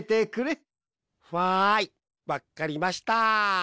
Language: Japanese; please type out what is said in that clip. ふあいわっかりました。